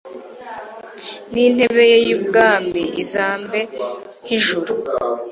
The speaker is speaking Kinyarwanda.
n’intebe ye y’ubwami izarambe nk’ijuru